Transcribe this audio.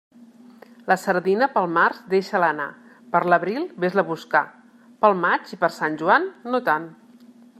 La sardina, pel març, deixa-la anar; per l'abril, vés-la a buscar; pel maig i per Sant Joan, no tant.